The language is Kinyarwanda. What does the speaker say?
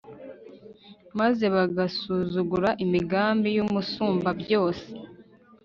maze bagasuzugura imigambi y'umusumbabyose